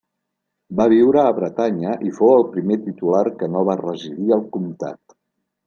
Va viure a Bretanya i fou el primer titular que no va residir al comtat.